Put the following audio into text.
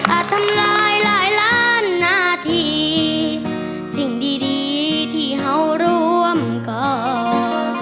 อาจทำลายหลายล้านนาทีสิ่งดีที่เหาะร่วมก่อน